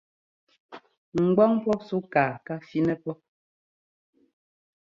Ŋgwáŋ pɔp súkaa ká fínɛ́ pɔ́.